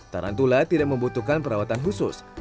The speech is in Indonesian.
tarantula tidak membutuhkan perawatan khusus